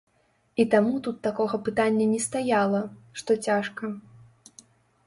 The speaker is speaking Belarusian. І таму тут такога пытання не стаяла, што цяжка.